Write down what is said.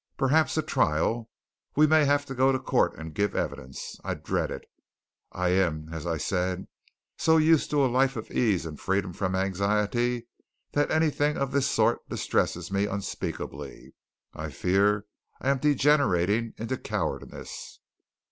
Perhaps a trial we may have to go to court and give evidence. I dread it! I am, as I said, so used to a life of ease and freedom from anxiety that anything of this sort distresses me unspeakably. I fear I am degenerating into cowardice!"